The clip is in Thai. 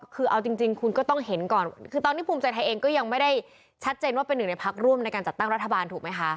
คือเอาจริงคุณก็ต้องเห็นก่อนคือตอนนี้ภูมิใจไทยเองก็ยังไม่ได้ชัดเจนว่าเป็นหนึ่งในพักร่วมในการจัดตั้งรัฐบาลถูกไหมคะ